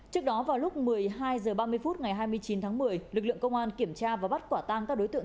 trước đó vào lúc một mươi hai h ba mươi phút ngày hai mươi chín tháng một mươi lực lượng công an kiểm tra và bắt quả tang các đối tượng